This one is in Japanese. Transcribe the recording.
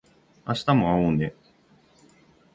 明日も会おうね